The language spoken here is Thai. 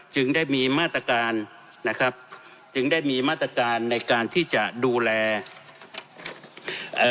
จึงได้มีมาตรการนะครับจึงได้มีมาตรการในการที่จะดูแลเอ่อ